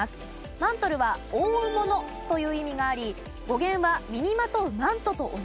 マントルは「覆うもの」という意味があり語源は身にまとうマントと同じです。